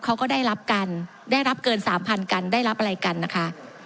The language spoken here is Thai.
เขาก็ได้รับกันได้รับเกินสามพันกันได้รับอะไรกันนะคะ